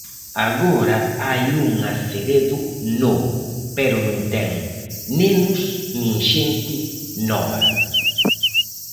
Agora hai un Aceredo novo, pero non ten nenos nin xente nova.